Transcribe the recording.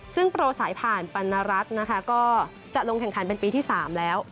ซึ่งโปรสายผ่านปรณรัฐนะคะก็จะลงแข่งขันเป็นปีที่๓แล้ว